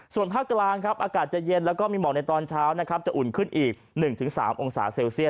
ส่วนภาคกลางครับอากาศจะเย็นแล้วก็มีหมอกในตอนเช้านะครับจะอุ่นขึ้นอีก๑๓องศาเซลเซียส